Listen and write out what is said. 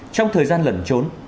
trong thời gian lần trốn